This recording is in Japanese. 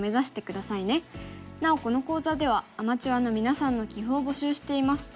なおこの講座ではアマチュアのみなさんの棋譜を募集しています。